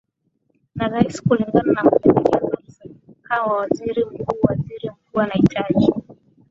na rais kulingana na pendekezo ka waziri mkuu Waziri mkuu anahitaji